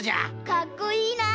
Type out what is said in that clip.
かっこいいな！